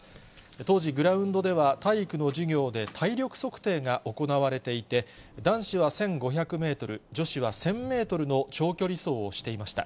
当時、グラウンドでは体育の授業で体力測定が行われていて、男子は１５００メートル、女子は１０００メートルの長距離走をしていました。